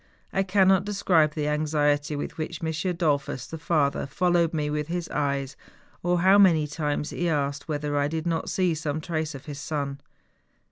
I cannot describe the anxiety with which M. Dollfus, the father, followed me with his eyes, or how many times he asked whether I did not see some trace of his son.